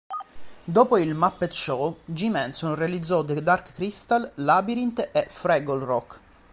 Dopo il "Muppet Show", Jim Henson realizzò "The Dark Crystal", "Labyrinth" e "Fraggle Rock".